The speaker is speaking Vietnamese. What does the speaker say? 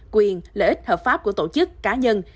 quyền lợi ích hợp pháp của tổ chức cá nhân